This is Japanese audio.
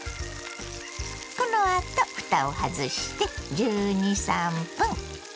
このあとふたを外して１２１３分。